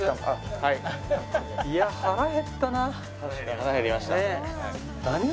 腹減りました。